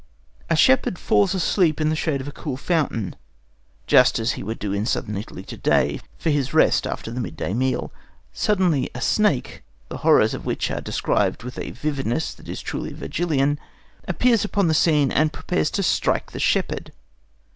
A shepherd falls asleep in the shade by a cool fountain, just as he would do in Southern Italy to day, for his rest after the midday meal. Suddenly a snake, the horrors of which are described with a vividness that is truly Virgilian, appears upon the scene and prepares to strike the shepherd.